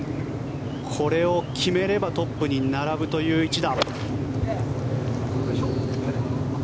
これを決めればトップに並ぶという一打。